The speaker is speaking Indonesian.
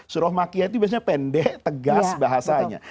surah makiyah itu biasanya pendek tegas bahasanya